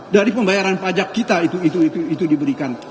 dari pembayaran pajak kita itu diberikan